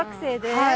はい。